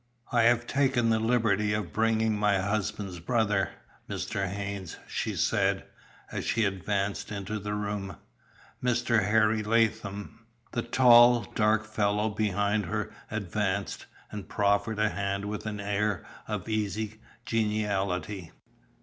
"I have taken the liberty of bringing my husband's brother, Mr. Haynes," she said, as she advanced into the room, "Mr. Harry Latham." The tall, dark fellow behind her advanced, and proffered a hand with an air of easy geniality.